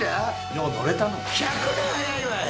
よう乗れたの１００年早いわい！